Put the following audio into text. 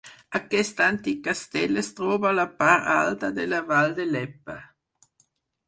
Aquest antic castell es troba a la part alta de la vall de Leppe.